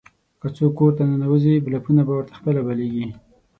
که څوک کور ته ننوځي، بلپونه په خپله ورته بلېږي.